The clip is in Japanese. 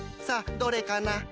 さあどれかな？